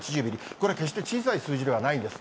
これは決して小さい数字ではないんです。